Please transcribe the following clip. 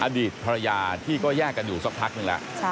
อดีตภรรยาที่ก็แยกกันอยู่สักพักหนึ่งแล้ว